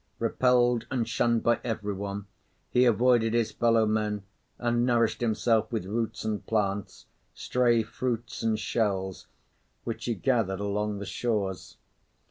Repelled and shunned by everyone, he avoided his fellow men and nourished himself with roots and plants, stray fruits and shells which he gathered along the shores.